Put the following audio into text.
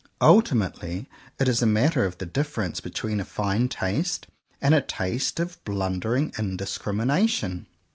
Ultimately it is a matter of the difference between a fine taste and a taste of blundering indis crimination.